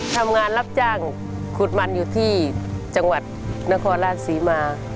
ทำงานรับจ้างขุดมันอยู่ที่จังหวัดนครราชศรีมา